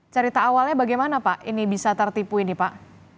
cerita awalnya bagaimana pak ini bisa tertipu ini pak